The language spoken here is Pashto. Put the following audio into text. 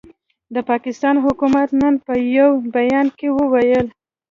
د پاکستان حکومت نن په یوه بیان کې وویل،